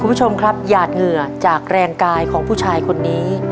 คุณผู้ชมครับหยาดเหงื่อจากแรงกายของผู้ชายคนนี้